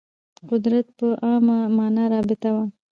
قدرت په عامه معنا رابطه وه